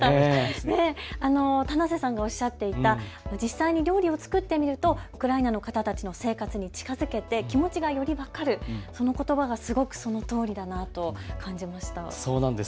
棚瀬さんがおっしゃっていた実際に料理を作ってみるとウクライナの方たちの生活に近づけて、気持ちがより分かる、このことばがすごくそのとおりだなと感じました。